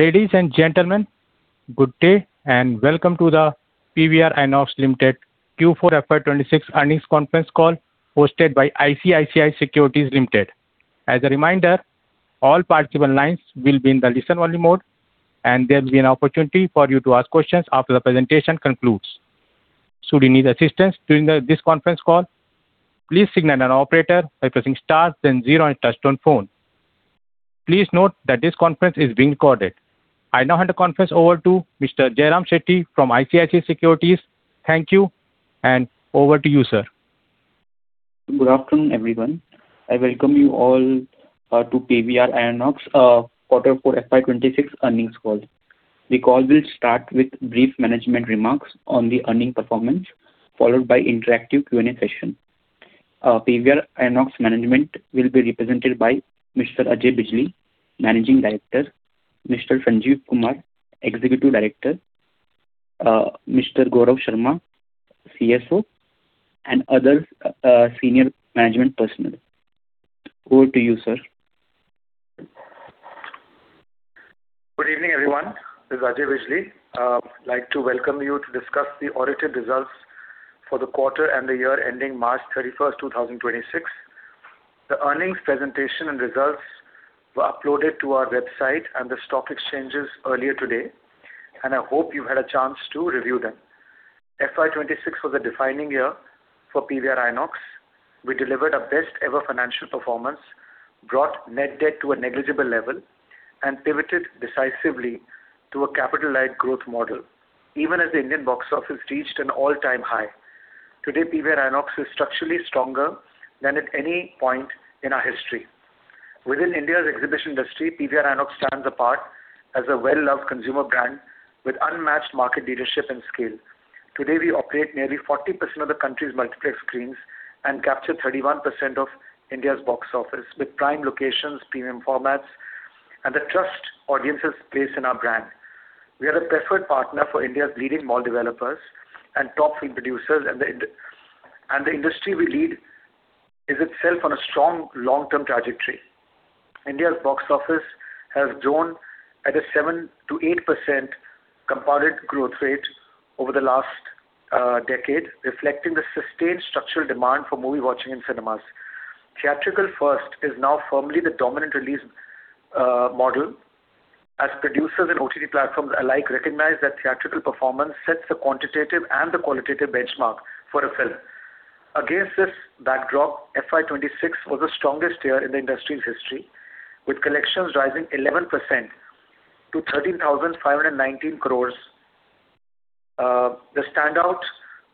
Ladies and gentlemen, good day, and welcome to the PVR INOX Limited Q4 FY 2026 earnings conference call hosted by ICICI Securities Limited. As a reminder, all participant lines will be in the listen-only mode, and there'll be an opportunity for you to ask questions after the presentation concludes. Should you need assistance during this conference call, please signal an operator by pressing star then zero on your touchtone phone. Please note that this conference is being recorded. I now hand the conference over to Mr. Jayram Shetty from ICICI Securities. Thank you, and over to you, sir. Good afternoon, everyone. I welcome you all to PVR INOX quarter four FY 2026 earnings call. The call will start with brief management remarks on the earning performance, followed by interactive Q&A session. PVR INOX management will be represented by Mr. Ajay Bijli, Managing Director, Mr. Sanjeev Kumar, Executive Director, Mr. Gaurav Sharma, CFO, and other Senior Management personnel. Over to you, sir. Good evening, everyone. This is Ajay Bijli. I'd like to welcome you to discuss the audited results for the quarter and the year ending March 31, 2026. The earnings presentation and results were uploaded to our website and the stock exchanges earlier today, and I hope you had a chance to review them. FY 2026 was a defining year for PVR INOX. We delivered our best ever financial performance, brought net debt to a negligible level, and pivoted decisively to a capital-light growth model, even as the Indian box office reached an all-time high. Today, PVR INOX is structurally stronger than at any point in our history. Within India's exhibition industry, PVR INOX stands apart as a well-loved consumer brand with unmatched market leadership and scale. Today, we operate nearly 40% of the country's multiplex screens and capture 31% of India's box office with prime locations, premium formats, and the trust audiences place in our brand. We are a preferred partner for India's leading mall developers and top film producers and the industry we lead is itself on a strong long-term trajectory. India's box office has grown at a 7%-8% compounded growth rate over the last decade, reflecting the sustained structural demand for movie watching in cinemas. Theatrical first is now firmly the dominant release model as producers and OTT platforms alike recognize that theatrical performance sets the quantitative and the qualitative benchmark for a film. Against this backdrop, FY 2026 was the strongest year in the industry's history, with collections rising 11% to 13,519 crores. The standout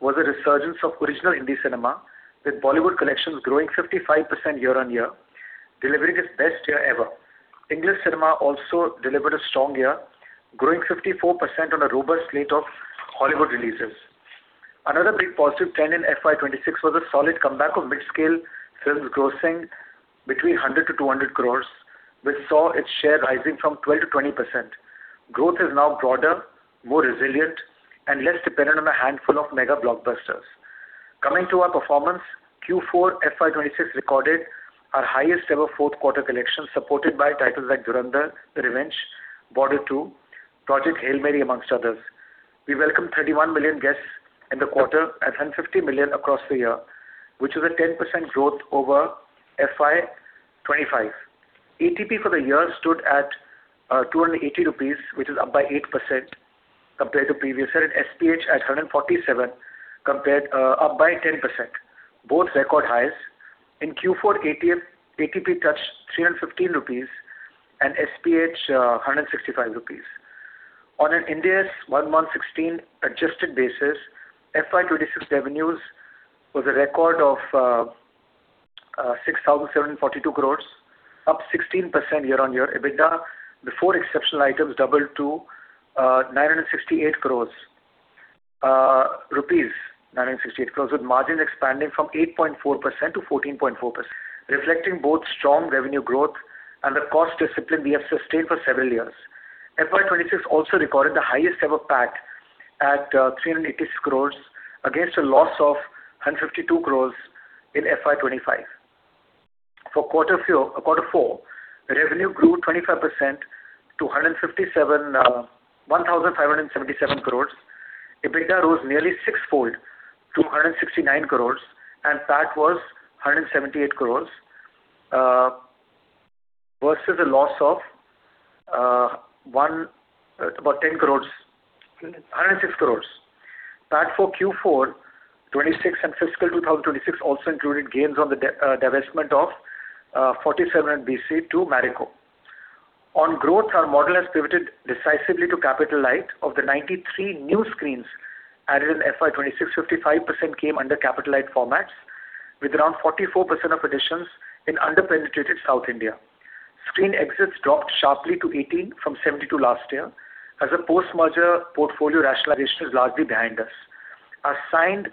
was a resurgence of original Hindi cinema, with Bollywood collections growing 55% year-on-year, delivering its best year ever. English cinema also delivered a strong year, growing 54% on a robust slate of Hollywood releases. Another big positive trend in FY 2026 was a solid comeback of mid-scale films grossing between 100 crore-200 crore, which saw its share rising from 12%-20%. Growth is now broader, more resilient, and less dependent on a handful of mega blockbusters. Coming to our performance, Q4 FY 2026 recorded our highest ever fourth quarter collection, supported by titles like Dhurandhar: The Revenge, Border 2, Project Hail Mary, amongst others. We welcomed 31 million guests in the quarter and 150 million across the year, which is a 10% growth over FY 2025. ATP for the year stood at 280 rupees, which is up by 8% compared to previous year, and SPH at 147 up by 10%, both record highs. In Q4, ATP touched 315 rupees and SPH 165 rupees. On an Ind AS 116 adjusted basis, FY 2026 revenues was a record of 6,742 crores, up 16% year-on-year. EBITDA before exceptional items doubled to 968 crores rupees, with margin expanding from 8.4% to 14.4%, reflecting both strong revenue growth and the cost discipline we have sustained for several years. FY 2026 also recorded the highest ever PAT at 386 crores against a loss of 152 crores in FY 2025. For quarter four, revenue grew 25% to 1,577 crores. EBITDA rose nearly six fold to 169 crores, and PAT was 178 crores versus a loss of about 10 crores, 106 crores. PAT for Q4 2026 and fiscal 2026 also included gains on the divestment of 4700BC to Marico. On growth, our model has pivoted decisively to capital light. Of the 93 new screens added in FY 2026, 55% came under capital light formats, with around 44% of additions in under-penetrated South India. Screen exits dropped sharply to 18 from 72 last year as a post-merger portfolio rationalization is largely behind us. Our signed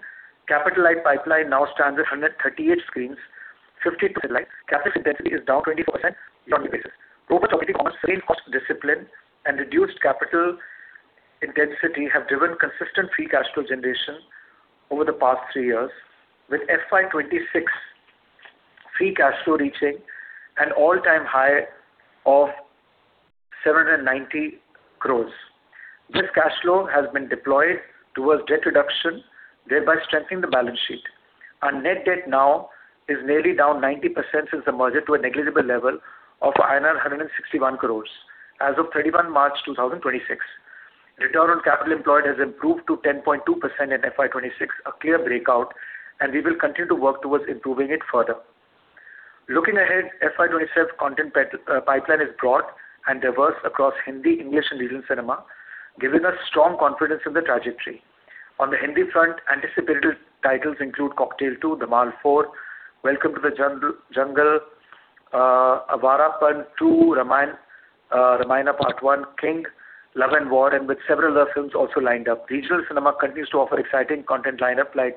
capital light pipeline now stands at 138 screens, 50% light. Capital intensity is down 20% year-on-year basis. Proper capital light formats, screen cost discipline, and reduced capital intensity have driven consistent free cash flow generation over the past three years, with FY 2026 free cash flow reaching an all-time high of 790 crores. This cash flow has been deployed towards debt reduction, thereby strengthening the balance sheet. Our net debt now is nearly down 90% since the merger to a negligible level of INR 161 crores as of 31 March 2026. Return on capital employed has improved to 10.2% in FY 2026, a clear breakout, and we will continue to work towards improving it further. Looking ahead, FY 2027 content pipeline is broad and diverse across Hindi, English, and regional cinema, giving us strong confidence in the trajectory. On the Hindi front, anticipated titles include Cocktail 2, Dhamaal 4, Welcome to the Jungle, Awarapan 2, Ramayana: Part One, King, Love & War, and with several other films also lined up. Regional cinema continues to offer exciting content lineup like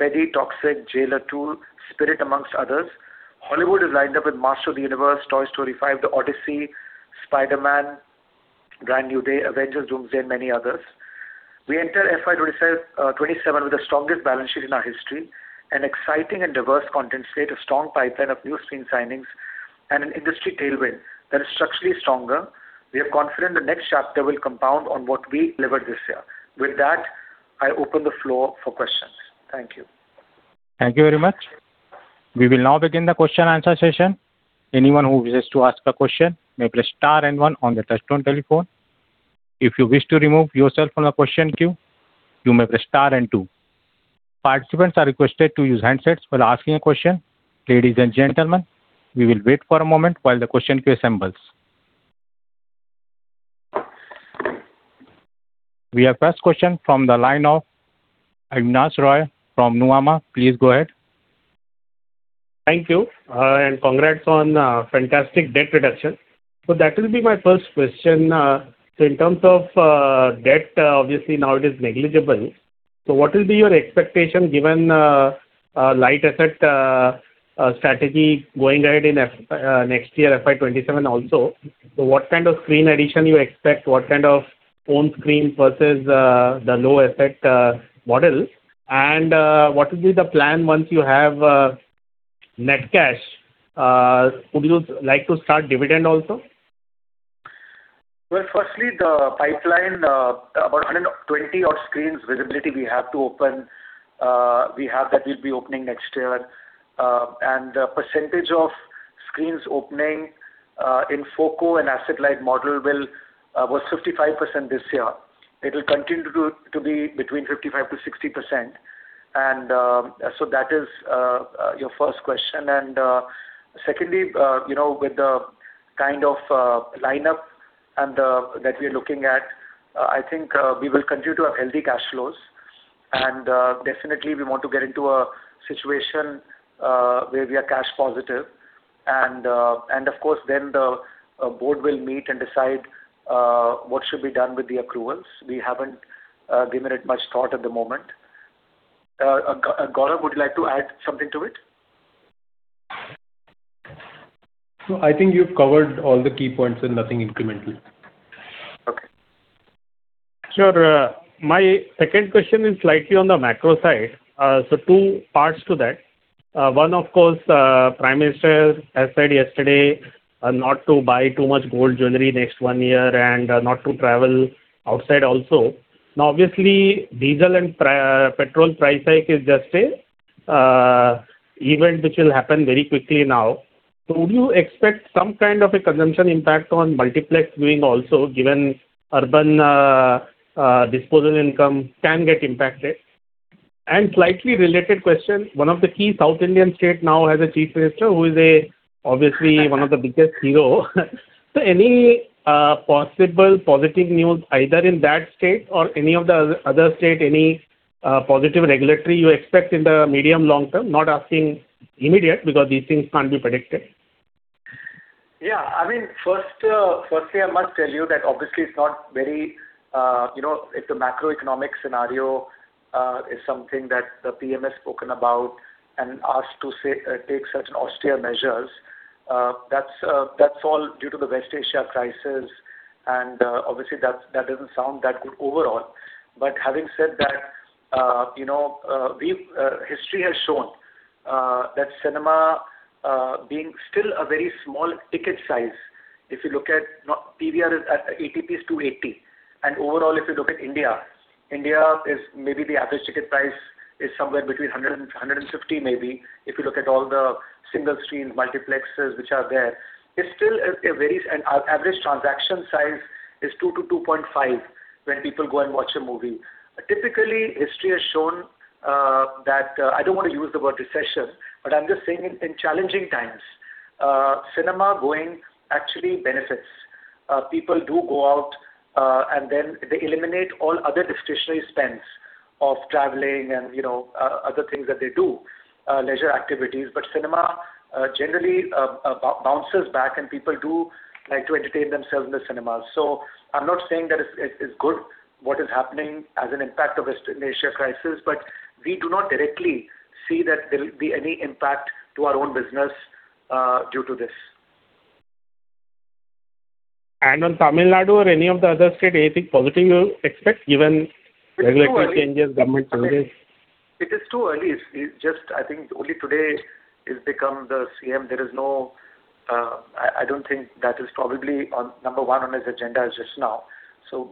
Peddi, Toxic: A Fairy Tale for Grown-Ups, Jailer 2, Spirit, amongst others. Hollywood is lined up with Masters of the Universe, Toy Story 5, The Odyssey, Spider-Man: Brand New Day, Avengers: Doomsday, and many others. We enter FY 2027 with the strongest balance sheet in our history, an exciting and diverse content slate, a strong pipeline of new screen signings, and an industry tailwind that is structurally stronger. We are confident the next chapter will compound on what we delivered this year. With that, I open the floor for questions. Thank you. Thank you very much. We will now begin the question answer session. Anyone who wishes to ask a question may press star and one on their touchtone telephone. If you wish to remove yourself from the question queue, you may press star and two. Participants are requested to use handsets while asking a question. Ladies and gentlemen, we will wait for a moment while the question queue assembles. We have first question from the line of Abneesh Roy from Nuvama. Please go ahead. Thank you, and congrats on fantastic debt reduction. That will be my first question. In terms of debt, obviously now it is negligible. What will be your expectation given a light asset strategy going ahead in FY 2027 also? What kind of screen addition you expect? What kind of own screen versus the low asset model? What will be the plan once you have net cash? Would you like to start dividend also? Well, firstly, the pipeline, about 120 odd screens visibility we have to open, we have that we'll be opening next year. The percentage of screens opening in FOCO and asset light model will was 55% this year. It'll continue to be between 55%-60%. So that is your first question. Secondly, you know, with the kind of lineup that we are looking at, I think, we will continue to have healthy cash flows. Definitely we want to get into a situation where we are cash positive and of course then the Board will meet and decide what should be done with the accruals. We haven't given it much thought at the moment. Gaurav, would you like to add something to it? No, I think you've covered all the key points and nothing incrementally. Okay. Sure. My second question is slightly on the macro side. Two parts to that. One of course, Prime Minister has said yesterday, not to buy too much gold jewelry next one year and not to travel outside also. Obviously diesel and petrol price hike is just an event which will happen very quickly now. Would you expect some kind of a consumption impact on multiplex viewing also, given urban disposable income can get impacted? Slightly related question, one of the key South Indian state now has a Chief Minister who is obviously one of the biggest hero. Any possible positive news either in that state or any of the other state, any positive regulatory you expect in the medium long term? Not asking immediate because these things can't be predicted. I mean, firstly, I must tell you that obviously it's not very, you know, if the macroeconomic scenario is something that the PM has spoken about and asked to take such austere measures, that's all due to the West Asia crisis and obviously that doesn't sound that good overall. Having said that, you know, we've history has shown that cinema, being still a very small ticket size, if you look at, ATP is 280. Overall if you look at India is maybe the average ticket price is somewhere between 100 and 150 maybe, if you look at all the single screens, multiplexes which are there. It's still a very average transaction size is two to 2.5 when people go and watch a movie. Typically, history has shown that I don't wanna use the word recession, but I'm just saying in challenging times, cinema going actually benefits. People do go out and then they eliminate all other discretionary spends of traveling and, you know, other things that they do, leisure activities. Cinema bounces back and people do like to entertain themselves in the cinemas. I'm not saying that it's good what is happening as an impact of West Asia crisis, but we do not directly see that there will be any impact to our own business due to this. On Tamil Nadu or any of the other state, anything positive you expect given. It's too early. regulatory changes, government changes? It is too early. It's, it just, I think only today he's become the CM. There is no, I don't think that is probably on, number one on his agenda as just now.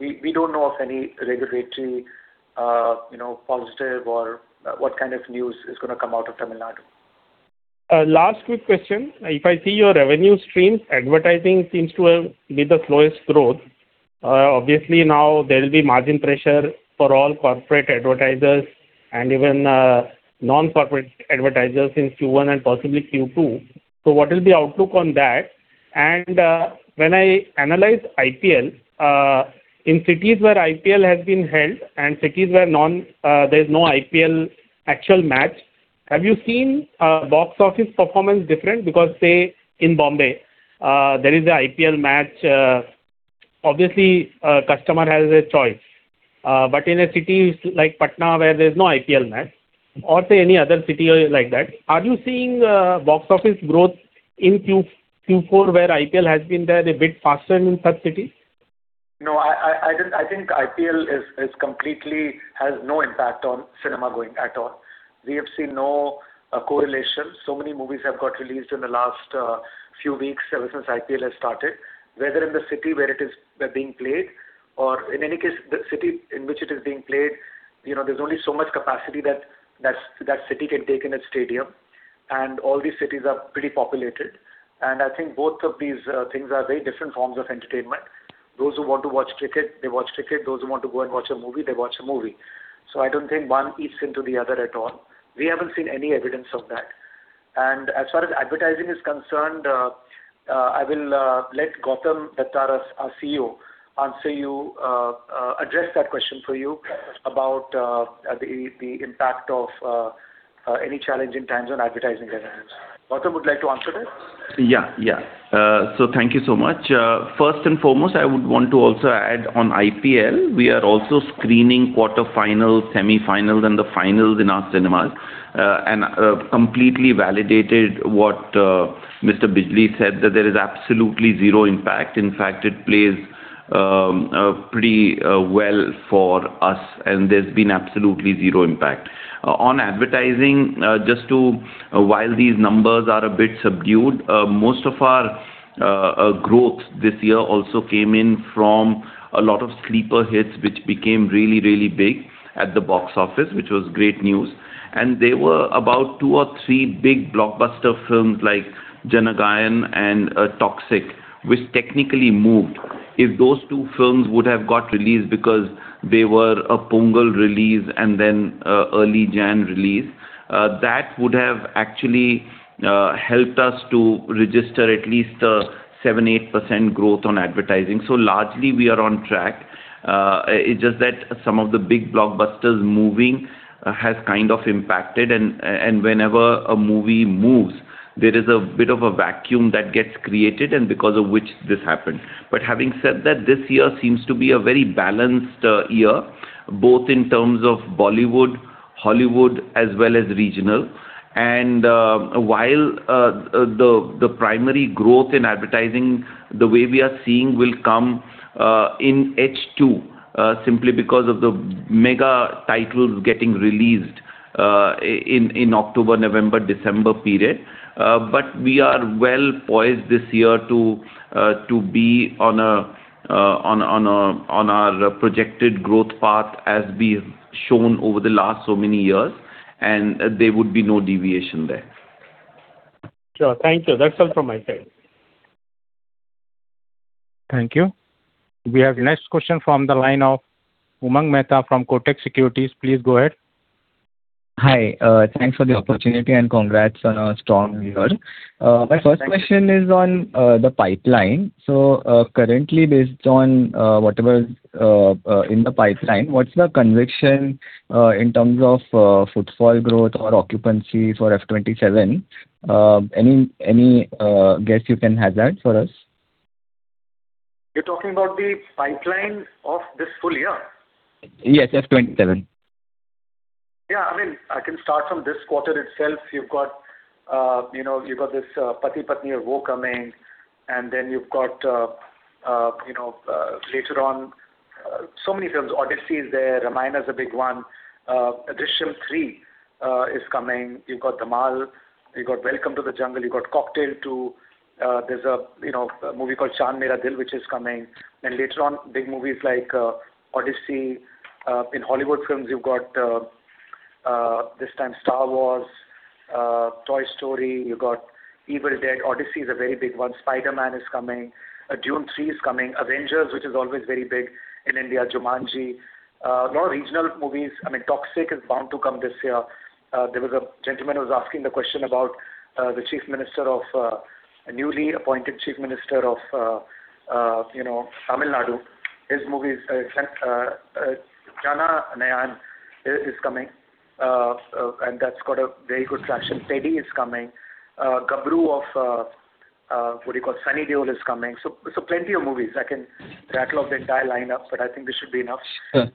We, we don't know of any regulatory, you know, positive or, what kind of news is gonna come out of Tamil Nadu. Last quick question. If I see your revenue streams, advertising seems to have been the slowest growth. Obviously now there'll be margin pressure for all corporate advertisers and even non-corporate advertisers in Q1 and possibly Q2. What is the outlook on that? When I analyze IPL, in cities where IPL has been held and cities where there's no IPL actual match, have you seen box office performance different? Because, say, in Bombay, there is a IPL match, obviously a customer has a choice. But in cities like Patna where there's no IPL match or, say, any other city like that, are you seeing box office growth in Q4 where IPL has been there a bit faster in such cities? No, I don't think IPL is completely, has no impact on cinema-going at all. We have seen no correlation. Many movies have got released in the last few weeks ever since IPL has started. Whether in the city where it is being played or in any case the city in which it is being played, you know, there's only so much capacity that that city can take in its stadium, all these cities are pretty populated. I think both of these things are very different forms of entertainment. Those who want to watch cricket, they watch cricket. Those who want to go and watch a movie, they watch a movie. I don't think one eats into the other at all. We haven't seen any evidence of that. As far as advertising is concerned, I will let Gautam Dutta, our CEO, answer you address that question for you about the impact of any challenging times on advertising revenues. Gautam, would like to answer that? Yeah. Yeah. Thank you so much. First and foremost, I would want to also add on IPL, we are also screening quarterfinal, semifinals, and the finals in our cinemas. Completely validated what Mr. Bijli said that there is absolutely zero impact. In fact, it plays pretty well for us, and there's been absolutely zero impact. On advertising, just to While these numbers are a bit subdued, most of our growth this year also came in from a lot of sleeper hits which became really, really big at the box office, which was great news. There were about two or three big blockbuster films like Jana Nayagan and Toxic, which technically moved. If those two films would have got released because they were a Pongal release and then, early January release, that would have actually helped us to register at least 7%-8% growth on advertising. Largely we are on track. It's just that some of the big blockbusters moving has kind of impacted and whenever a movie moves, there is a bit of a vacuum that gets created and because of which this happened. Having said that, this year seems to be a very balanced year, both in terms of Bollywood, Hollywood, as well as regional. While the primary growth in advertising the way we are seeing will come in H2, simply because of the mega titles getting released in October, November, December period. We are well-poised this year to be on our projected growth path as we've shown over the last so many years, and there would be no deviation there. Sure. Thank you. That's all from my side. Thank you. We have next question from the line of Umang Mehta from Kotak Securities. Please go ahead. Hi. Thanks for the opportunity and congrats on a strong year. Thank you. My first question is on the pipeline. Currently based on whatever in the pipeline, what's the conviction in terms of footfall growth or occupancy for FY 2027? Any, any guess you can hazard for us? You're talking about the pipeline of this full year? Yes, FY 2027. Yeah. I mean, I can start from this quarter itself. You've got, you know, you've got this Pati Patni Aur Woh coming, and then you've got, you know, later on, so many films. The Odyssey is there. Ramayana is a big one. Drishyam 3 is coming. You've got Dhamaal. You've got Welcome to the Jungle. You've got Cocktail 2. There's a, you know, a movie called Chand Mera Dil which is coming. Then later on, big movies like The Odyssey. In Hollywood films you've got this time Star Wars, Toy Story. You got Evil Dead. The Odyssey is a very big one. Spider-Man is coming. Dune 3 is coming. Avengers, which is always very big in India. Jumanji. A lot of regional movies. I mean, Toxic is bound to come this year. There was a gentleman who was asking the question about the Chief Minister of newly appointed Chief Minister of, you know, Tamil Nadu. His movie is Jana Nayagan is coming, and that's got a very good traction. Peddi is coming. Gabru of, what do you call, Sunny Deol is coming. Plenty of movies. I can rattle off the entire lineup, but I think this should be enough. Sure.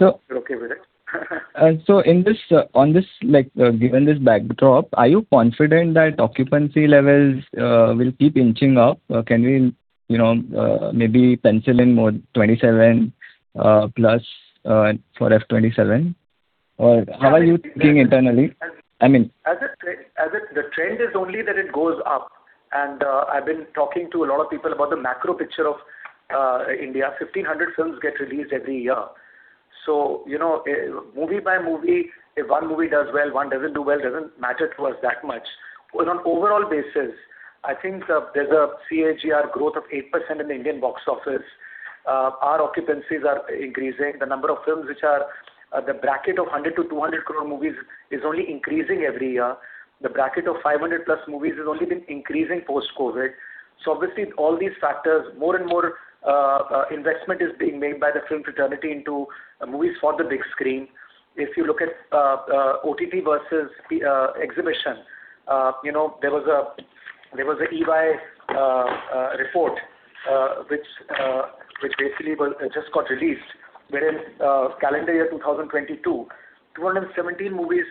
If you're okay with it. In this, on this, like, given this backdrop, are you confident that occupancy levels will keep inching up? Can we, you know, maybe pencil in more 27+ for FY 2027? How are you thinking internally? As the trend is only that it goes up. I've been talking to a lot of people about the macro picture of India. 1,500 films get released every year. You know, movie by movie, if one movie does well, one doesn't do well, it doesn't matter to us that much. On overall basis, I think there's a CAGR growth of 8% in the Indian box office. Our occupancies are increasing. The number of films which are the bracket of 100 crore to 200 crore movies is only increasing every year. The bracket of 500 plus movies has only been increasing post-COVID. Obviously, all these factors, more and more investment is being made by the film fraternity into movies for the big screen. If you look at OTT versus Exhibition, you know, there was a EY report which basically was just got released, wherein calendar year 2022, 217 movies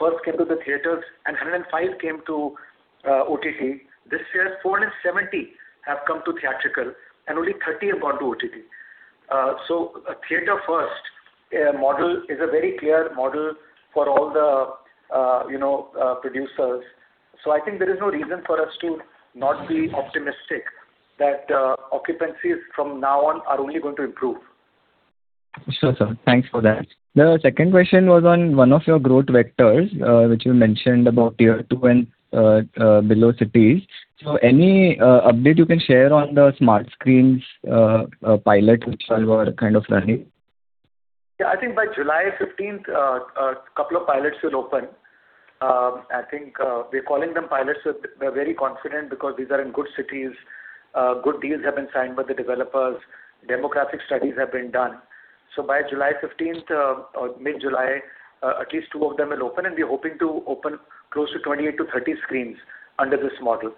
first came to the theaters, and 105 came to OTT. This year, 470 have come to Theatrical, and only 30 have gone to OTT. A theater-first model is a very clear model for all the you know producers. I think there is no reason for us to not be optimistic that occupancies from now on are only going to improve. Sure, sir. Thanks for that. The second question was on one of your growth vectors, which you mentioned about Tier-2 and below cities. Any update you can share on the Smart Screens pilot which all were kind of running? Yeah. I think by July 15th, a couple of pilots will open. I think we're calling them pilots, but we're very confident because these are in good cities. Good deals have been signed with the developers. Demographic studies have been done. By July 15th, or mid-July, at least two of them will open, and we're hoping to open close to 28-30 screens under this model.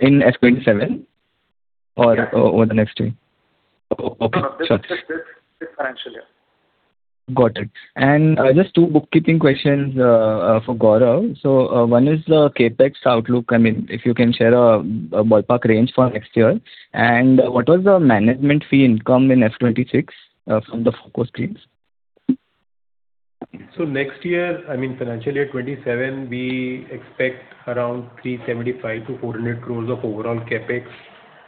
In FY 2027? Yeah. Over the next year? Okay. Sure. No, this financial year. Got it. Just two bookkeeping questions for Gaurav. One is the CapEx outlook. I mean, if you can share a ballpark range for next year. What was the management fee income in FY 2026 from the FOCO screens? Next year, I mean financial year 2027, we expect around 375 crores-400 crores of overall CapEx,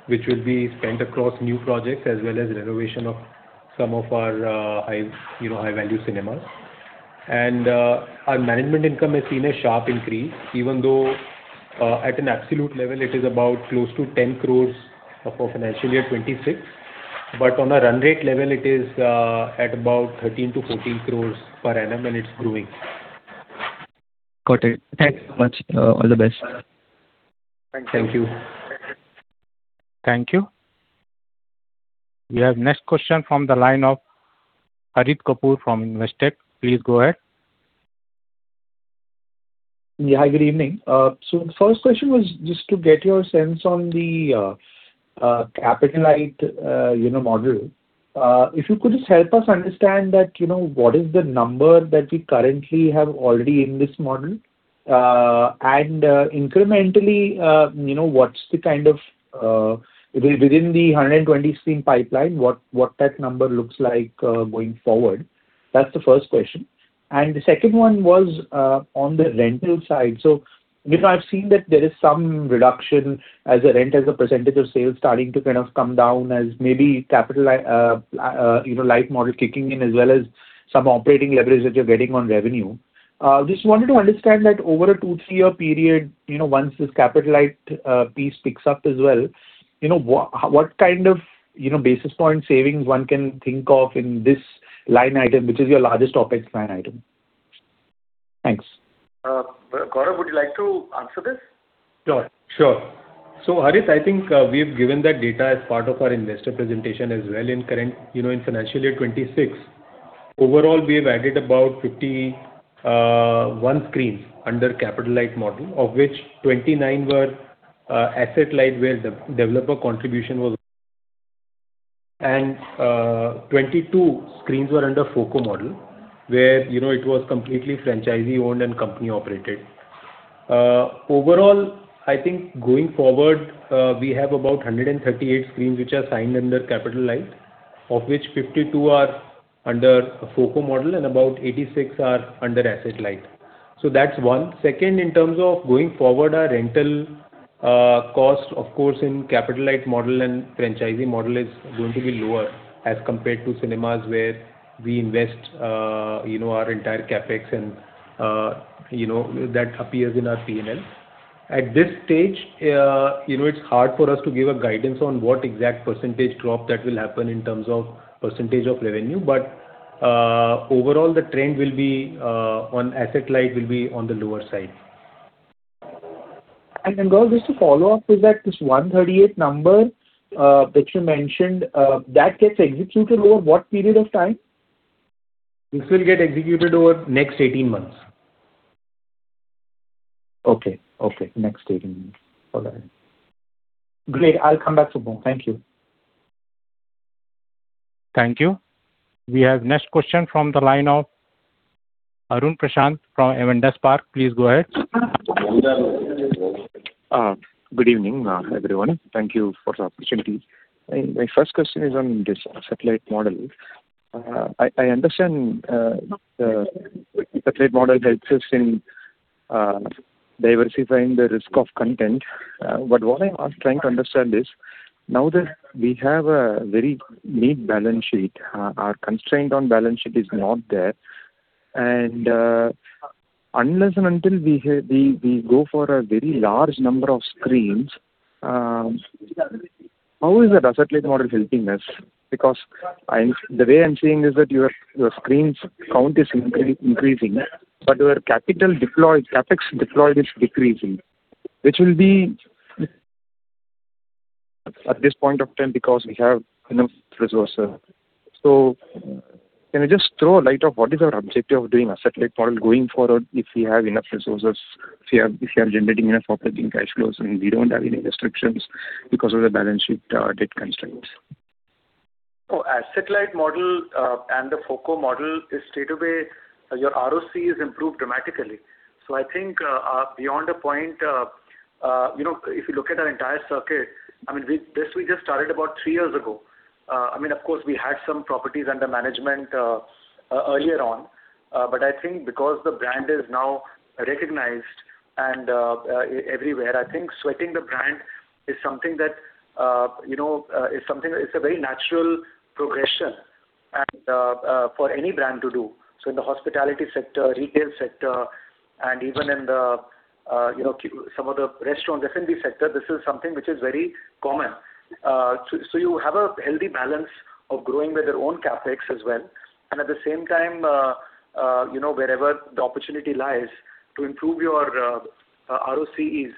which will be spent across new projects as well as renovation of some of our high, you know, high-value cinemas. Our management income has seen a sharp increase, even though at an absolute level, it is about close to 10 crores for financial year 2026. On a run rate level, it is at about 13 crores-14 crores per annum, and it's growing. Got it. Thanks so much. All the best. Thank you. Thank you. We have next question from the line of Harit Kapoor from Investec. Please go ahead. Good evening. The first question was just to get your sense on the capital light, you know, model. If you could just help us understand that, you know, what is the number that we currently have already in this model? And incrementally, you know, what's the kind of within the 120 screen pipeline, what that number looks like going forward? That's the first question. The second one was on the rental side. I've seen that there is some reduction as a rent, as a percentage of sales starting to kind of come down as maybe capital light model kicking in as well as some operating leverage that you're getting on revenue. Just wanted to understand that over a two, three-year period, you know, once this capital light piece picks up as well, you know, what kind of, you know, basis point savings one can think of in this line item, which is your largest OpEx line item? Thanks. Gaurav, would you like to answer this? Sure. Sure. Harit, I think, we've given that data as part of our investor presentation as well in current, you know, in financial year 2026. Overall, we have added about 51 screens under capital light model, of which 29 were asset light, and 22 screens were under FOCO model, where, you know, it was completely franchisee-owned and company-operated. Overall, I think going forward, we have about 138 screens which are signed under capital light, of which 52 are under a FOCO model and about 86 are under asset light. That's one. Second, in terms of going forward, our rental cost, of course, in capital light model and franchisee model is going to be lower as compared to cinemas where we invest, you know, our entire CapEx and, you know, that appears in our P&L. At this stage, you know, it's hard for us to give a guidance on what exact percentage drop that will happen in terms of percentage of revenue. Overall, the trend will be on asset light will be on the lower side. Gaurav, just to follow up, is that this 138 number that you mentioned that gets executed over what period of time? This will get executed over next 18 months. Okay. Okay. Next stage. All right. Great. I'll come back soon. Thank you. Thank you. We have next question from the line of Arun Prasath from Avendus Spark. Please go ahead. Good evening, everyone. Thank you for the opportunity. My first question is on this asset-light model. I understand, the asset-light model helps us in diversifying the risk of content. What I'm trying to understand is now that we have a very neat balance sheet, our constraint on balance sheet is not there. Unless and until we go for a very large number of screens, how is the asset-light model helping us? Because the way I'm seeing is that your screens count is increasing, but your CapEx deployed is decreasing, which will be at this point of time because we have enough resources. Can you just throw a light of what is our objective of doing a asset-light model going forward if we have enough resources, if we are generating enough operating cash flows and we don't have any restrictions because of the balance sheet, debt constraints? asset-light model, and the FOCO model is straight away, your ROC is improved dramatically. I think, beyond a point, you know, if you look at our entire circuit, I mean, this we just started about three years ago. I mean, of course, we had some properties under management earlier on. But I think because the brand is now recognized and everywhere, I think sweating the brand is something that, you know, is something that is a very natural progression and for any brand to do. In the hospitality sector, retail sector, and even in the, you know, some of the restaurant, F&B sector, this is something which is very common. You have a healthy balance of growing with your own CapEx as well. At the same time, you know, wherever the opportunity lies to improve your ROCs, you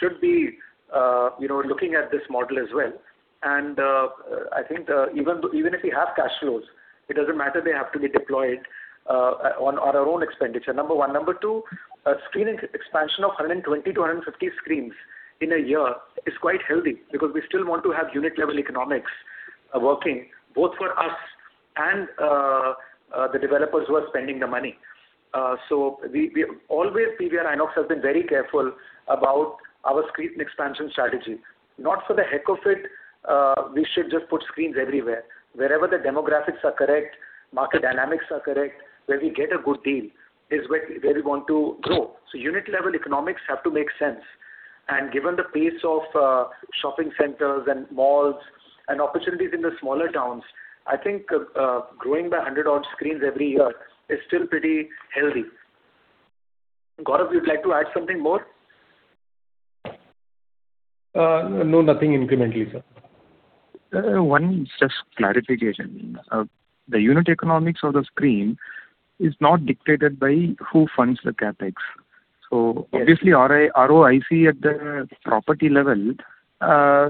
should be, you know, looking at this model as well. I think, even if we have cash flows, it doesn't matter, they have to be deployed on our own expenditure, number one. Number two, screening expansion of 120 to 150 screens in a year is quite healthy because we still want to have unit level economics working both for us and the developers who are spending the money. We always, PVR INOX has been very careful about our screen expansion strategy. Not for the heck of it, we should just put screens everywhere. Wherever the demographics are correct, market dynamics are correct, where we get a good deal is where we want to grow. Unit level economics have to make sense. Given the pace of shopping centers and malls and opportunities in the smaller towns, I think growing by 100 odd screens every year is still pretty healthy. Gaurav, would you like to add something more? No, nothing incrementally, sir. One just clarification. The unit economics of the screen is not dictated by who funds the CapEx. Obviously, ROIC at the property level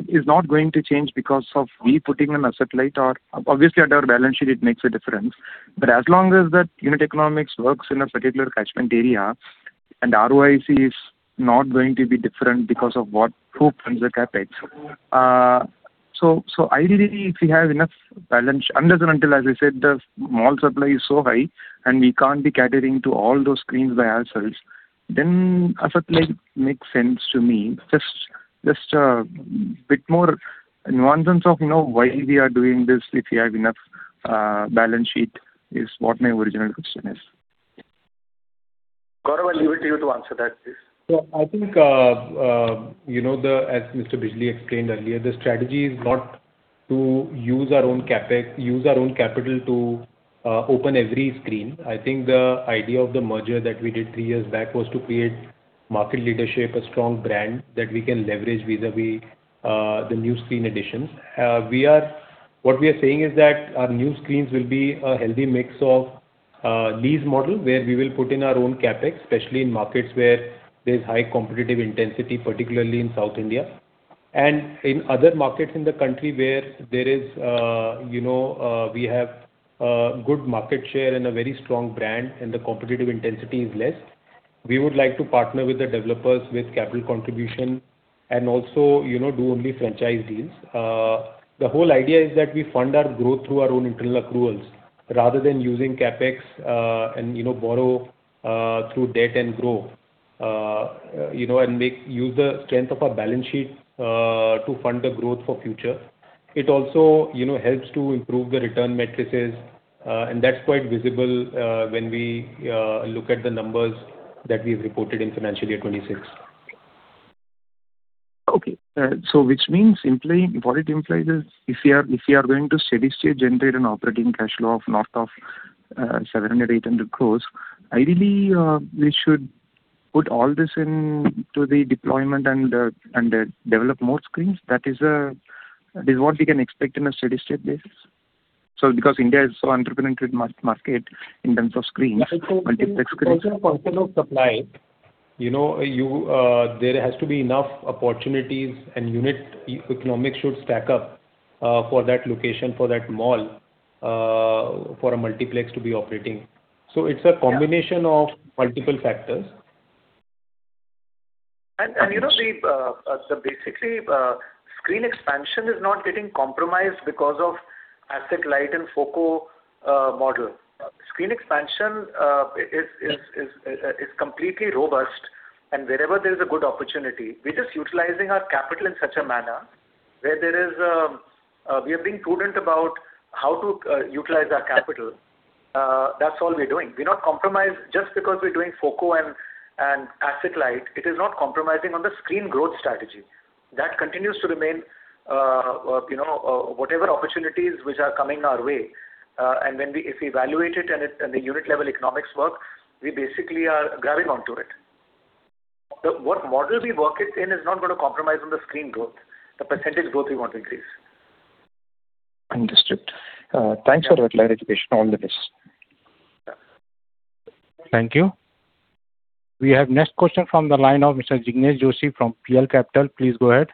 is not going to change because of we putting an asset light or obviously at our balance sheet, it makes a difference. As long as that unit economics works in a particular catchment area and ROIC is not going to be different because of who funds the CapEx. Ideally, if we have enough balance unless and until, as I said, the mall supply is so high and we can't be catering to all those screens by ourselves, then asset light makes sense to me. Just a bit more nuances of, you know, why we are doing this if we have enough balance sheet is what my original question is. Gaurav, I leave it to you to answer that, please. I think, as Mr. Bijli explained earlier, the strategy is not to use our own CapEx, use our own capital to open every screen. I think the idea of the merger that we did three years back was to create market leadership, a strong brand that we can leverage vis-à-vis the new screen additions. What we are saying is that our new screens will be a healthy mix of lease model, where we will put in our own CapEx, especially in markets where there's high competitive intensity, particularly in South India. In other markets in the country where there is, you know, we have good market share and a very strong brand and the competitive intensity is less, we would like to partner with the developers with capital contribution and also, you know, do only franchise deals. The whole idea is that we fund our growth through our own internal accruals rather than using CapEx, and, you know, borrow through debt and grow, you know, and use the strength of our balance sheet to fund the growth for future. It also, you know, helps to improve the return matrices, and that's quite visible, when we look at the numbers that we've reported in financial year 2026. Okay. Which means simply, what it implies is if we are going to steady state generate an operating cash flow of north of INR 700crores-INR 800 crores, ideally, we should put all this into the deployment and develop more screens. That is, this is what we can expect in a steady state basis. Because India is so underpenetrated market in terms of screens, multiplex screens. From the point of supply. You know, you, there has to be enough opportunities and unit economics should stack up, for that location, for that mall, for a multiplex to be operating. It's a combination of multiple factors. You know, the screen expansion is not getting compromised because of asset-light and FOCO model. Screen expansion is completely robust, and wherever there is a good opportunity, we're just utilizing our capital in such a manner where there is, we are being prudent about how to utilize our capital. That's all we're doing. We're not compromised just because we're doing FOCO and asset-light, it is not compromising on the screen growth strategy. That continues to remain, you know, whatever opportunities which are coming our way, and if we evaluate it and the unit level economics work, we basically are grabbing onto it. What model we work it in is not gonna compromise on the screen growth, the percentage growth we want to increase. Understood. Thanks for that clarification. All the best. Thank you. We have next question from the line of Mr. Jinesh Joshi from PL Capital. Please go ahead.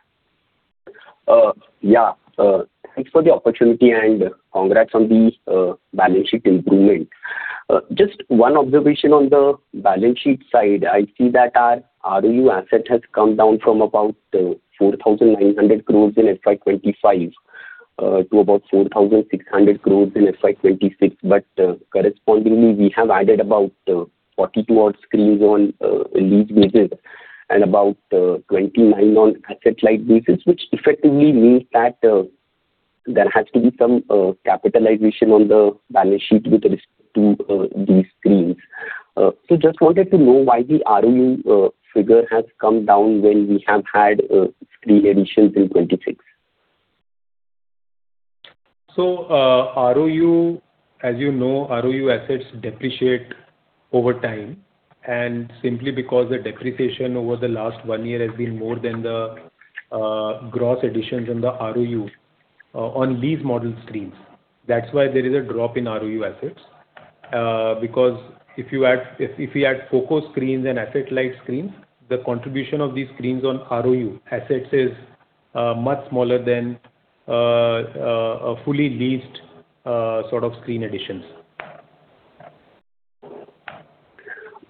Yeah. Thanks for the opportunity and congrats on the balance sheet improvement. Just one observation on the balance sheet side. I see that our ROU asset has come down from about 4,900 crores in FY 2025, to about 4,600 crores in FY 2026. Correspondingly, we have added about 42 odd screens on a lease basis and about 29 on asset-light basis, which effectively means that there has to be some capitalization on the balance sheet with respect to these screens. Just wanted to know why the ROU figure has come down when we have had screen additions in 2026. ROU, as you know, ROU assets depreciate over time. Simply because the depreciation over the last one year has been more than the gross additions on the ROU on lease model screens. That's why there is a drop in ROU assets. Because if we add FOCO screens and asset-light screens, the contribution of these screens on ROU assets is much smaller than a fully leased sort of screen additions.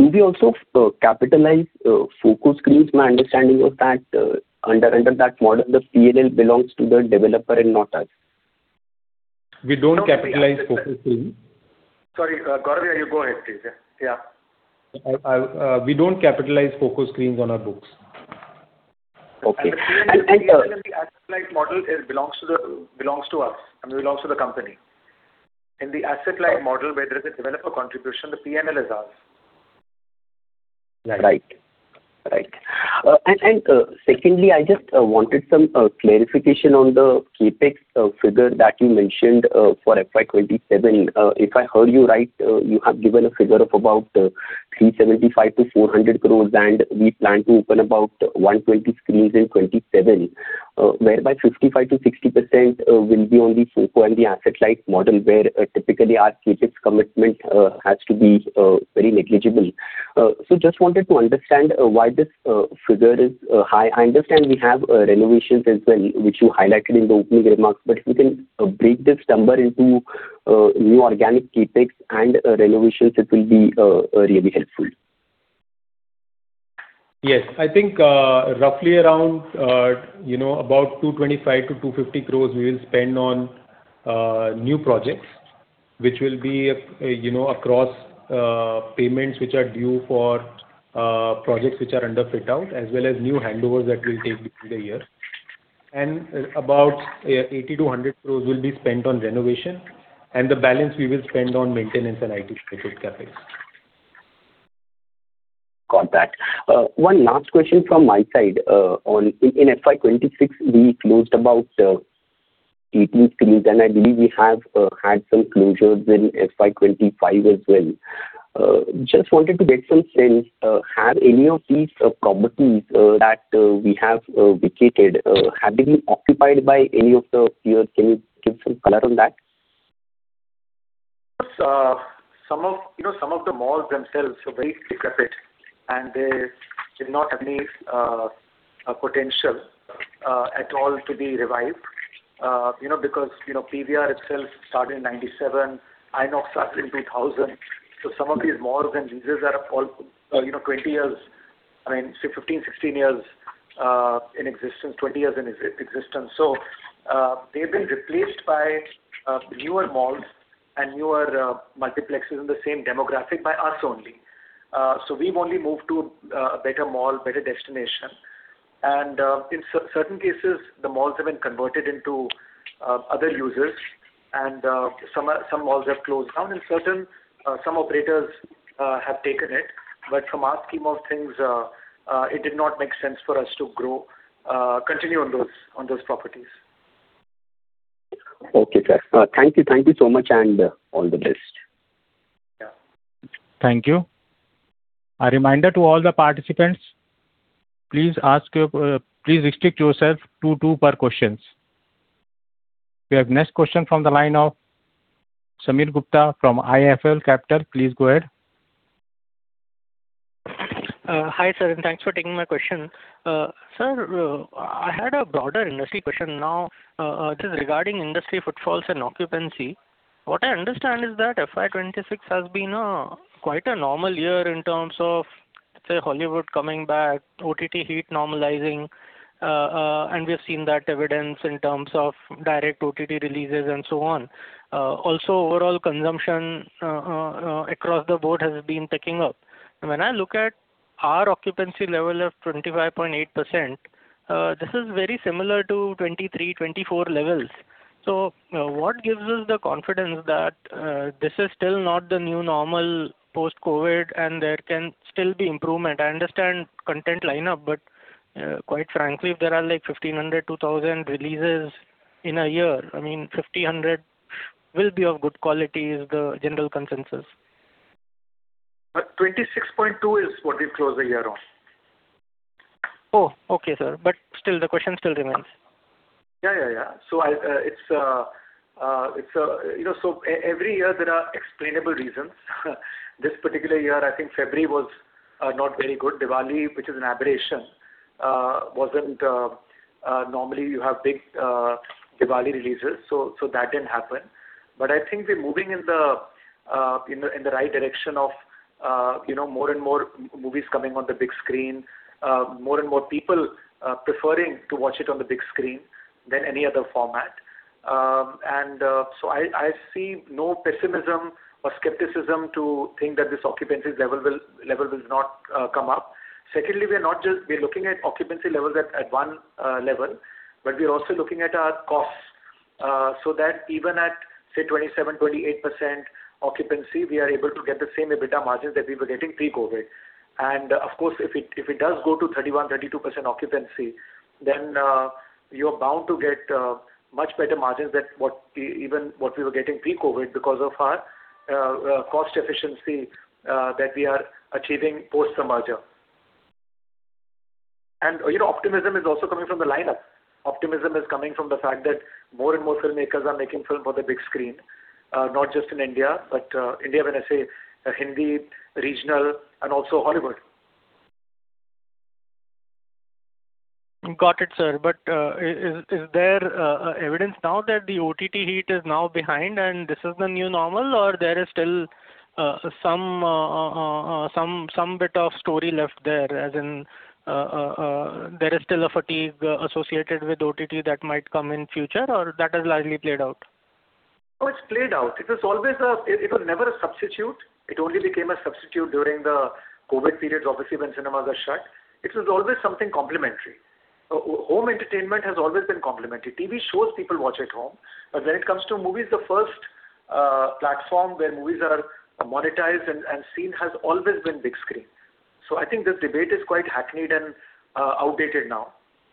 Do we also capitalize FOCO screens? My understanding was that under that model, the P&L belongs to the developer and not us. We don't capitalize FOCO screen. Sorry, Gaurav, you go ahead please. I'll we don't capitalize FOCO screens on our books. Okay. The P&L in the asset-light model belongs to us, I mean, belongs to the company. In the asset-light model where there is a developer contribution, the P&L is ours. Right. Right. Secondly, I just wanted some clarification on the CapEx figure that you mentioned for FY 2027. If I heard you right, you have given a figure of about 375 crore-400 crore, and we plan to open about 120 screens in 2027, whereby 55%-60% will be on the FOCO and the asset-light model, where typically our CapEx commitment has to be very negligible. Just wanted to understand why this figure is high. I understand we have renovations as well, which you highlighted in the opening remarks, but if you can break this number into new organic CapEx and renovations, it will be really helpful. Yes. I think, roughly around, you know, about 225 crore-250 crore we will spend on new projects, which will be, you know, across payments which are due for projects which are under fit-out, as well as new handovers that will take place through the year. About 80 crore-100 crore will be spent on renovation, and the balance we will spend on maintenance and IT CapEx. Got that. One last question from my side. In FY 2026, we closed about 18 screens, and I believe we have had some closures in FY 2025 as well. Just wanted to get some sense, have any of these properties that we have vacated, have they been occupied by any of the peers? Can you give some color on that? Some of, you know, some of the malls themselves are very specific, and they did not have any potential at all to be revived. You know, because, you know, PVR itself started in 1997. INOX started in 2000. Some of these malls and leases are all, you know, 20 years, I mean, say 15 years-16 years in existence, 20 years in existence. They've been replaced by newer malls and newer multiplexes in the same demographic by us only. We've only moved to a better mall, better destination. In certain cases, the malls have been converted into other uses and some malls have closed down, and certain some operators have taken it. From our scheme of things, it did not make sense for us to grow, continue on those properties. Okay, sir. Thank you. Thank you so much, and all the best. Yeah. Thank you. A reminder to all the participants, please restrict yourself to two per questions. We have next question from the line of Sameer Gupta from IIFL Capital. Please go ahead. Hi, sir, and thanks for taking my question. Sir, I had a broader industry question now, just regarding industry footfalls and occupancy. What I understand is that FY 2026 has been quite a normal year in terms of, say, Hollywood coming back, OTT heat normalizing, and we have seen that evidence in terms of direct OTT releases and so on. Also overall consumption across the board has been picking up. When I look at our occupancy level of 25.8%, this is very similar to 2023, 2024 levels. What gives us the confidence that this is still not the new normal post-COVID and there can still be improvement? I understand content line up, but, quite frankly, if there are like 1,500-2,000 releases in a year, I mean, 1,500 will be of good quality is the general consensus. 26.2 is what we've closed the year on. Oh, okay, sir. Still the question still remains. Yeah, yeah. It's, it's, you know, every year there are explainable reasons. This particular year, I think February was not very good. Diwali, which is an aberration, wasn't. Normally you have big Diwali releases, so that didn't happen. I think we're moving in the right direction of, you know, more and more movies coming on the big screen, more and more people preferring to watch it on the big screen than any other format. I see no pessimism or skepticism to think that this occupancy level will not come up. Secondly, we're looking at occupancy levels at one level, but we are also looking at our costs so that even at, say, 27%-28% occupancy, we are able to get the same EBITDA margins that we were getting pre-COVID. Of course, if it does go to 31%-32% occupancy, then you're bound to get much better margins than even what we were getting pre-COVID because of our cost efficiency that we are achieving post the merger. You know, optimism is also coming from the lineup. Optimism is coming from the fact that more and more filmmakers are making film for the big screen, not just in India, but India when I say Hindi, regional and also Hollywood. Got it, sir. Is there evidence now that the OTT heat is now behind and this is the new normal, or there is still some bit of story left there, as in, there is still a fatigue associated with OTT that might come in future or that has largely played out? No, it's played out. It was never a substitute. It only became a substitute during the COVID periods, obviously, when cinemas are shut. It was always something complementary. Home entertainment has always been complementary. TV shows people watch at home. When it comes to movies, the first platform where movies are monetized and seen has always been big screen. I think this debate is quite hackneyed and outdated now.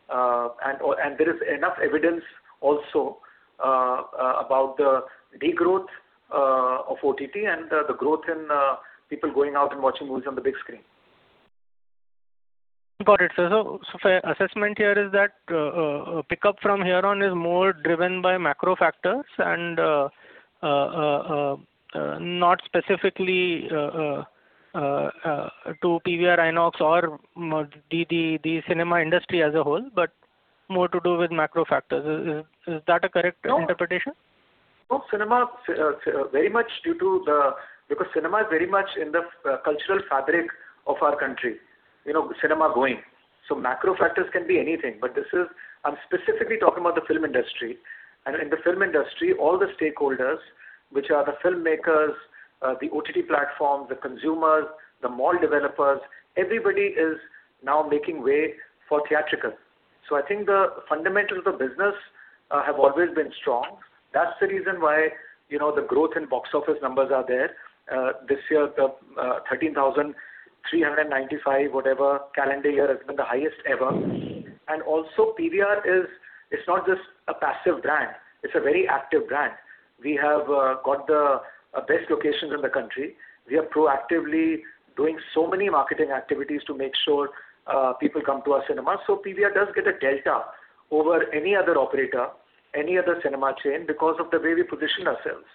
There is enough evidence also about the regrowth of OTT and the growth in people going out and watching movies on the big screen. Got it, sir. Assessment here is that pickup from here on is more driven by macro factors and not specifically to PVR INOX or the cinema industry as a whole, but more to do with macro factors. Is that a correct interpretation? No. No, cinema is very much in the cultural fabric of our country, you know, cinema going. Macro factors can be anything. I'm specifically talking about the film industry. In the film industry, all the stakeholders, which are the filmmakers, the OTT platforms, the consumers, the mall developers, everybody is now making way for theatrical. I think the fundamentals of business have always been strong. That's the reason why, you know, the growth in box office numbers are there. This year, the 13,395, whatever calendar year has been the highest ever. Also PVR is, it's not just a passive brand, it's a very active brand. We have got the best locations in the country. We are proactively doing so many marketing activities to make sure people come to our cinemas. PVR does get a delta over any other operator, any other cinema chain because of the way we position ourselves.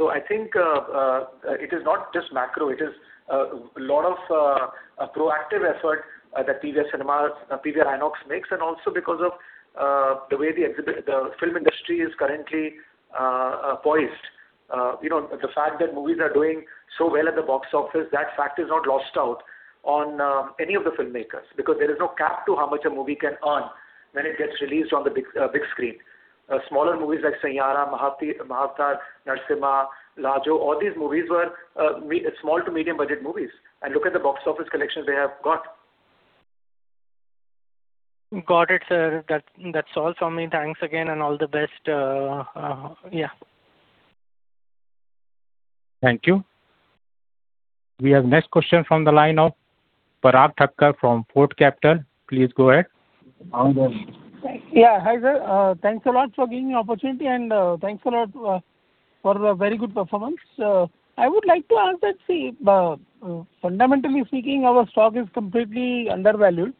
I think it is not just macro, it is lot of proactive effort that PVR Cinemas, PVR INOX makes, and also because of the way the film industry is currently poised. You know, the fact that movies are doing so well at the box office, that fact is not lost out on any of the filmmakers, because there is no cap to how much a movie can earn when it gets released on the big screen. Smaller movies like Saiyaara, Mahavatar, Narasimha, Laajo, all these movies were small to medium budget movies, and look at the box office collections they have got. Got it, sir. That's all from me. Thanks again and all the best. Thank you. We have next question from the line of Parag Thakkar from Fort Capital. Please go ahead. Parag. Yeah. Hi there. Thanks a lot for giving me opportunity and thanks a lot for the very good performance. I would like to ask that, fundamentally speaking, our stock is completely undervalued.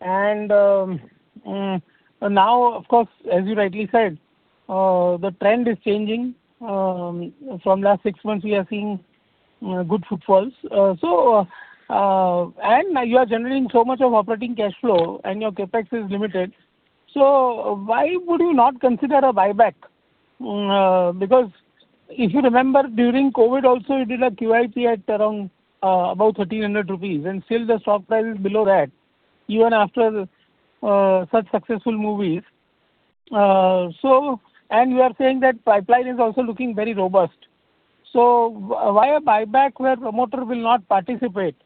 Now, of course, as you rightly said, the trend is changing. From last six months, we are seeing good footfalls. You are generating so much of operating cash flow and your CapEx is limited. Why would you not consider a buyback? Because if you remember, during COVID also, you did a QIP at around 1,300 rupees, and still the stock price is below that, even after such successful movies. You are saying that pipeline is also looking very robust. Why a buyback where promoter will not participate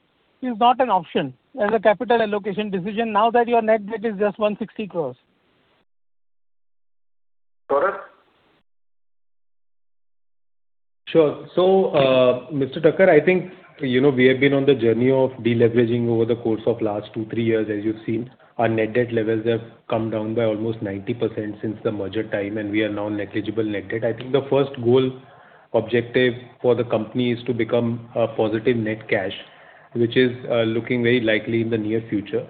is not an option as a capital allocation decision now that your net debt is just 160 crores? Gaurav? Sure. Mr. Thakkar, I think, you know, we have been on the journey of deleveraging over the course of last two years-three years, as you've seen. Our net debt levels have come down by almost 90% since the Merger time, and we are now negligible net debt. I think the first goal objective for the company is to become a positive net cash, which is looking very likely in the near future.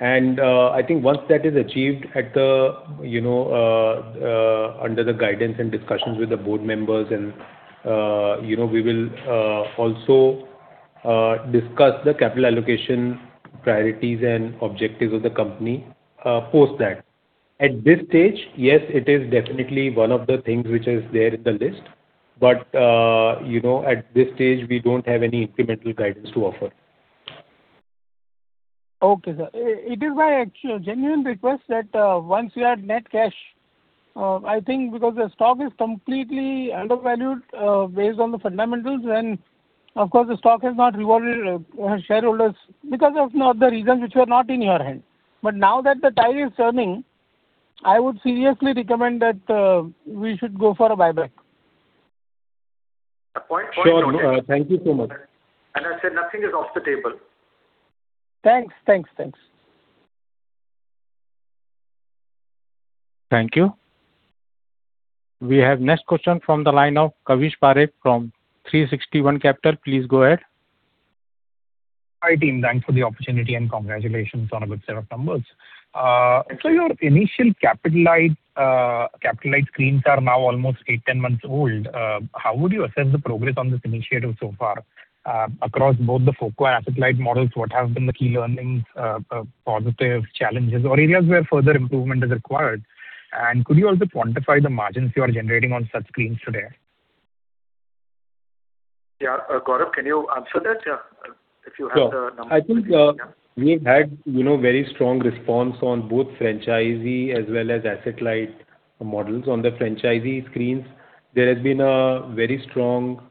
I think once that is achieved at the, you know, under the guidance and discussions with the board members and, you know, we will also discuss the capital allocation priorities and objectives of the company post that. At this stage, yes, it is definitely one of the things which is there in the list. You know, at this stage, we don't have any incremental guidance to offer. Okay, sir. It is my actual genuine request that, once you are net cash, I think because the stock is completely undervalued, based on the fundamentals, and of course, the stock has not rewarded, shareholders because of other reasons which were not in your hand. Now that the tide is turning, I would seriously recommend that, we should go for a buyback. Point noted. Sure. Thank you so much. I said nothing is off the table. Thanks. Thanks. Thanks. Thank you. We have next question from the line of Kavish Parekh from 360 ONE Capital. Please go ahead. Hi, team. Thanks for the opportunity, and congratulations on a good set of numbers. Your initial capitalized screens are now almost eight, 10 months old. How would you assess the progress on this initiative so far? Across both the FOCO and asset-light models, what have been the key learnings, positives, challenges, or areas where further improvement is required? Could you also quantify the margins you are generating on such screens today? Yeah. Gaurav, can you answer that if you have the numbers? Sure. I think, you know, very strong response on both franchisee as well as asset-light models. On the franchisee screens, there has been a very strong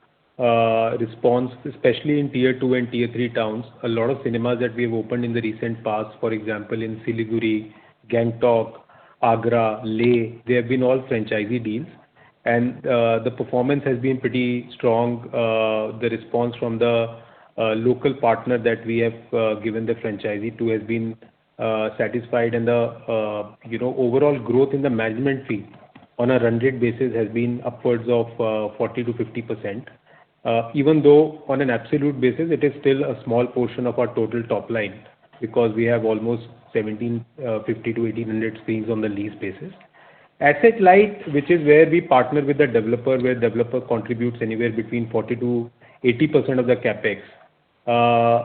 response, especially in tier two and tier three towns. A lot of cinemas that we have opened in the recent past, for example, in Siliguri, Gangtok, Agra, Leh, they have been all franchisee deals. The performance has been pretty strong. The response from the local partner that we have given the franchisee to has been satisfied. The, you know, overall growth in the management fee on a run-rate basis has been upwards of 40%-50%. Even though on an absolute basis, it is still a small portion of our total top line because we have almost 1,750 to 1,800 screens on the lease basis. Asset-light, which is where we partner with the developer, where developer contributes anywhere between 40%-80% of the CapEx.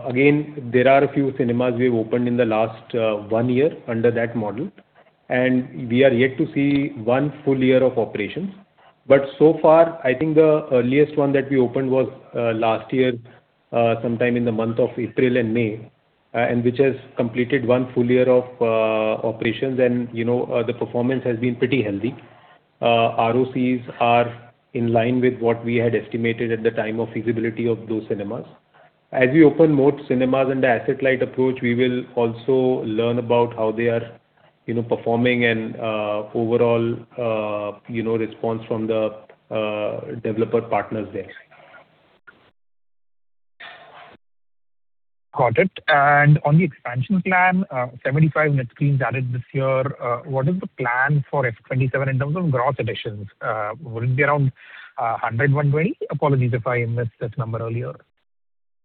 Again, there are a few cinemas we have opened in the last one year under that model, and we are yet to see one full year of operations. So far, I think the earliest one that we opened was last year, sometime in the month of April and May, and which has completed one full year of operations. You know, the performance has been pretty healthy. ROCs are in line with what we had estimated at the time of feasibility of those cinemas. As we open more cinemas in the asset-light approach, we will also learn about how they are, you know, performing and overall, you know, response from the developer partners there. Got it. On the expansion plan, 75 net screens added this year. What is the plan for FY 2027 in terms of gross additions? Will it be around 100-120? Apologies if I missed this number earlier.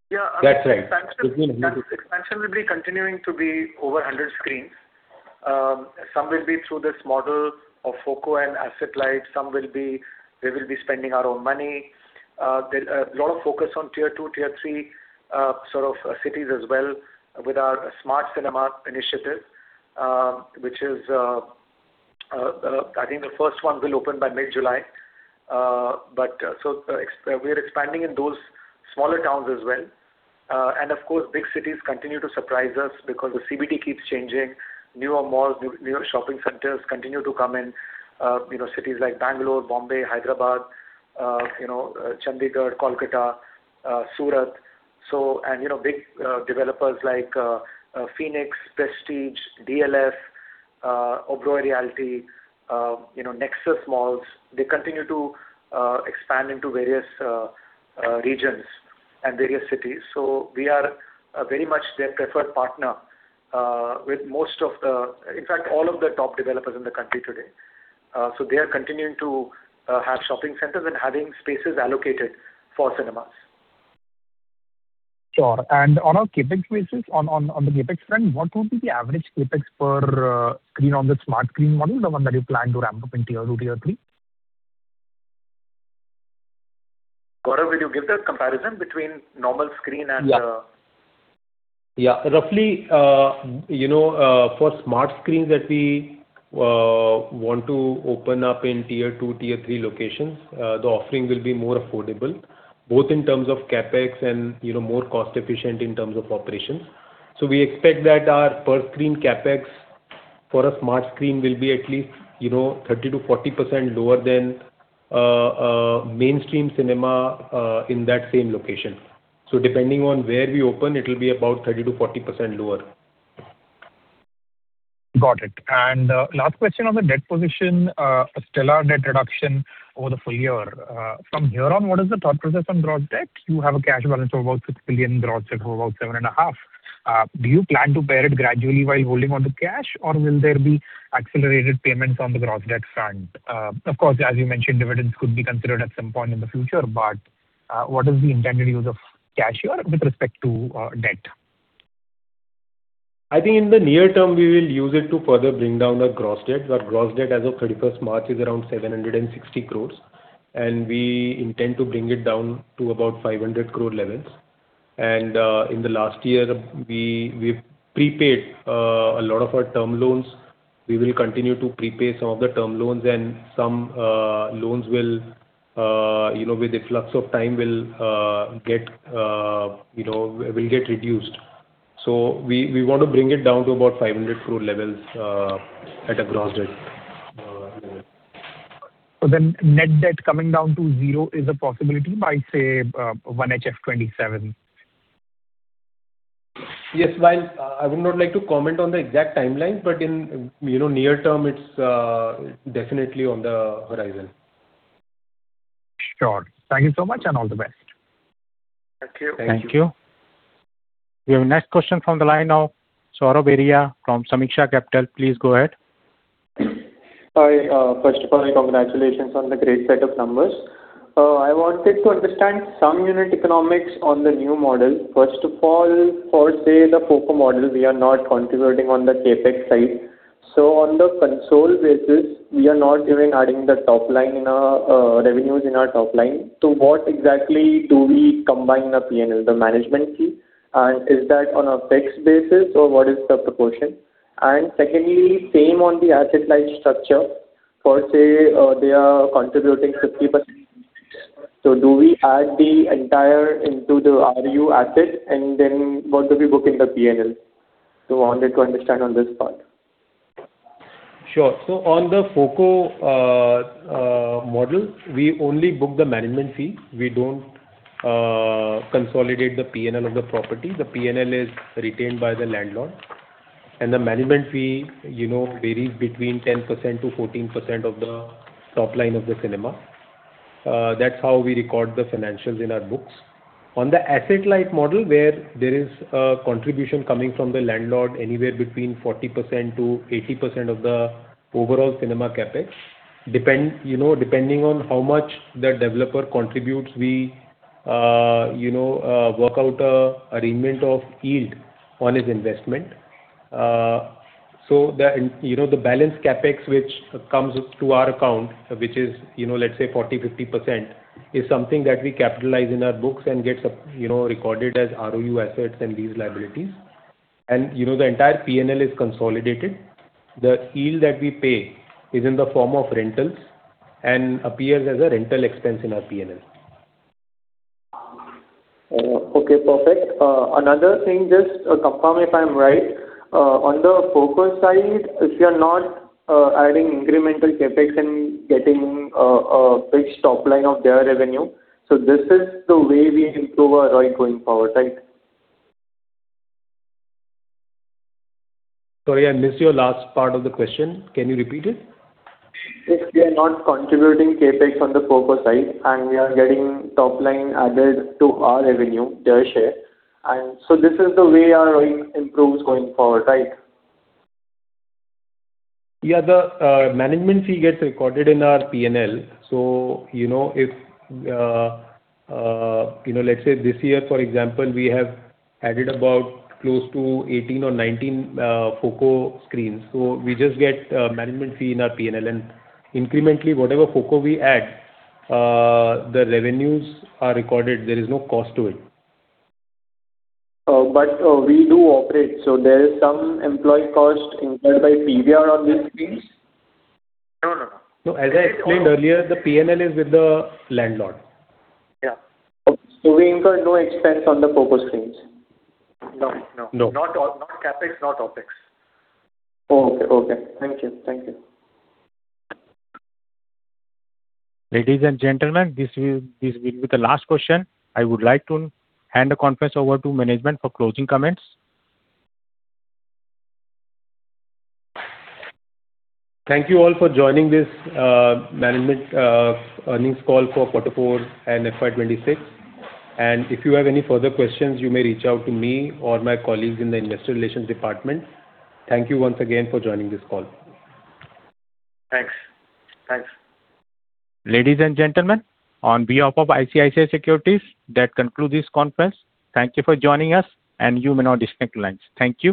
Yeah. That's right. Expansion will be continuing to be over 100 screens. Some will be through this model of FOCO and asset-light. We will be spending our own money. A lot of focus on Tier-2, Tier-3 sort of cities as well with our Smart Screens initiative, which is I think the first one will open by mid-July. But we are expanding in those smaller towns as well. Of course, big cities continue to surprise us because the CBD keeps changing. Newer malls, newer shopping centers continue to come in, cities like Bangalore, Bombay, Hyderabad, Chandigarh, Kolkata, Surat. You know, big developers like Phoenix, Prestige, DLF, Oberoi Realty, you know, Nexus Malls, they continue to expand into various regions and various cities. We are very much their preferred partner with most of the In fact, all of the top developers in the country today. They are continuing to have shopping centers and having spaces allocated for cinemas. Sure. On a CapEx basis, on the CapEx front, what would be the average CapEx per screen on the Smart Screens model, the one that you plan to ramp up in Tier-2, Tier-3? Gaurav, will you give the comparison between normal screen and? Yeah. Yeah. Roughly, you know, for Smart Screens that we want to open up in Tier-2, Tier-3 locations, the offering will be more affordable, both in terms of CapEx and, you know, more cost efficient in terms of operations. We expect that our per-screen CapEx for a Smart Screen will be at least, you know, 30%-40% lower than mainstream cinema in that same location. Depending on where we open, it will be about 30%-40% lower. Got it. Last question on the debt position. A stellar debt reduction over the full year. From here on, what is the thought process on gross debt? You have a cash balance of about 6 billion, gross debt of about 7.5 billion. Do you plan to pay it gradually while holding on to cash, or will there be accelerated payments on the gross debt front? Of course, as you mentioned, dividends could be considered at some point in the future, but what is the intended use of cash here with respect to debt? I think in the near term, we will use it to further bring down our gross debt. Our gross debt as of 31st March is around 760 crore, and we intend to bring it down to about 500 crore levels. In the last year, we prepaid a lot of our term loans. We will continue to prepay some of the term loans and some loans will, you know, with the flux of time get reduced. We want to bring it down to about 500 crore levels at a gross debt level. Net debt coming down to zero is a possibility by, say, 1H FY 2027? Yes. While I would not like to comment on the exact timeline, in, you know, near term, it's definitely on the horizon. Sure. Thank you so much and all the best. Thank you. Thank you. Thank you. We have a next question from the line of Saurabh Arya from Sameeksha Capital. Please go ahead. Hi. First of all, congratulations on the great set of numbers. I wanted to understand some unit economics on the new model. First of all, for say, the FOCO model, we are not contributing on the CapEx side. On the consol basis, we are not even adding the top line in our revenues in our top line. What exactly do we combine the P&L, the management fee? Is that on a fixed basis or what is the proportion? Secondly, same on the asset-light structure. For say, they are contributing 50%. Do we add the entire into the ROU asset and then what do we book in the P&L? I wanted to understand on this part. Sure. On the FOCO model, we only book the management fee. We don't consolidate the P&L of the property. The P&L is retained by the landlord. The management fee, you know, varies between 10% to 14% of the top line of the cinema. That's how we record the financials in our books. On the asset-light model, where there is a contribution coming from the landlord, anywhere between 40%-80% of the overall cinema CapEx, depending, you know, on how much the developer contributes, we, you know, work out an arrangement of yield on his investment. The, you know, the balance CapEx which comes to our account, which is, you know, let's say 40%-50%, is something that we capitalize in our books and gets up, you know, recorded as ROU assets and lease liabilities. The entire P&L is consolidated. The yield that we pay is in the form of rentals and appears as a rental expense in our P&L. Okay, perfect. Another thing, just confirm if I'm right. On the FOCO side, if you're not adding incremental CapEx and getting a fixed top line of their revenue, this is the way we improve our ROI going forward, right? Sorry, I missed your last part of the question. Can you repeat it? If we are not contributing CapEx on the FOCO side and we are getting top line added to our revenue, their share, this is the way our ROI improves going forward, right? Yeah. The management fee gets recorded in our P&L. You know, if, you know, let's say this year, for example, we have added about close to 18 or 19 FOCO screens. We just get management fee in our P&L and incrementally, whatever FOCO we add, the revenues are recorded. There is no cost to it. We do operate, so there is some employee cost incurred by PVR on these screens? No, no. No. As I explained earlier, the P&L is with the landlord. Yeah. We incur no expense on the FOCO screens? No, no. Not CapEx, not OpEx. Okay. Thank you. Ladies and gentlemen, this will be the last question. I would like to hand the conference over to management for closing comments. Thank you all for joining this management earnings call for quarter four and FY 2026. If you have any further questions, you may reach out to me or my colleagues in the investor relations department. Thank you once again for joining this call. Thanks. Thanks. Ladies and gentlemen, on behalf of ICICI Securities, that concludes this conference. Thank you for joining us, and you may now disconnect lines. Thank you.